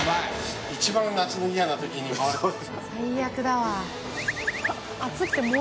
最悪だわ。